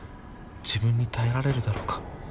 自分に耐えられるだろうか。